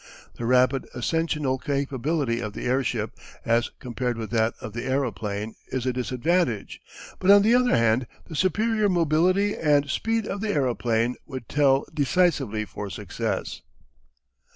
The rapid ascensional capability of the airship, as compared with that of the aeroplane, is a disadvantage, but on the other hand, the superior mobility and speed of the aeroplane would tell decisively for success.